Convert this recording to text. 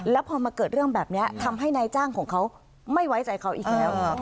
แล้วพอมาเกิดเรื่องแบบนี้ทำให้นายจ้างของเขาไม่ไว้ใจเขาอีกแล้ว